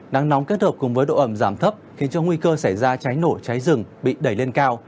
nắng nóng kết hợp cùng với độ ẩm giảm thấp khiến cho nguy cơ xảy ra cháy nổ cháy rừng bị đẩy lên cao